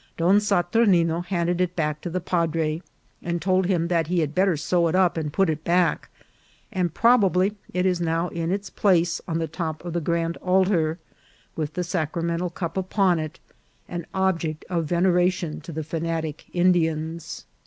Don Saturnino handed it back to the padre, and told him that he had better sew it up and put it back ; and prob ably it is now in its place on the top of the grand altar, THE ANCIENT CITY. 151 with the sacramental cup upon it, an object of venera tion to the fanatic Indians.